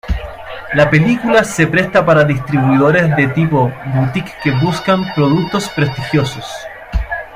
La película se presta para distribuidores de tipo "boutique" que buscan productos prestigiosos".